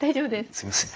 すみません。